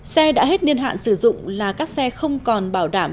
xe đã hết niên hạn sử dụng là các xe không còn bảo đảm